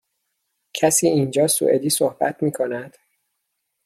کسی اینجا سوئدی صحبت می کند؟